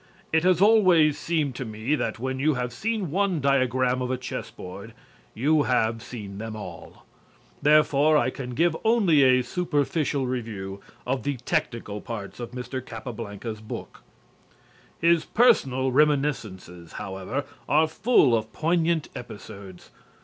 It has always seemed to me that when you have seen one diagram of a chessboard you have seen them all. Therefore, I can give only a superficial review of the technical parts of Mr. Capablanca's book. His personal reminiscences, however, are full of poignant episodes.